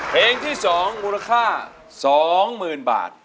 เพลงที่๒มูลค่า๒๐๐๐บาท